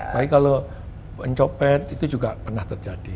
baik kalau encopet itu juga pernah terjadi